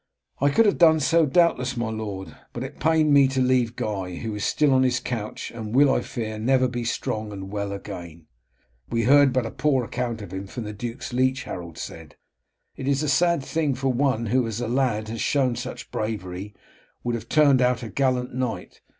"I could have done so, doubtless, my lord, but it pained me to leave Guy, who is still on his couch, and will, I fear, never be strong and well again." "We heard but a poor account of him from the duke's leech," Harold said. "It is a sad thing; for one, who as a lad has shown such bravery, would have turned out a gallant knight.